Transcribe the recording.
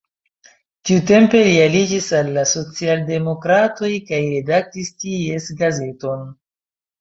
Tiutempe li aliĝis al la socialdemokratoj kaj redaktis ties gazeton.